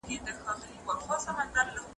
دا به ټوله حاضریږي په میدان کي